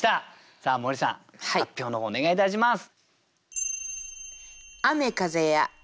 さあ森さん発表の方お願いいたします。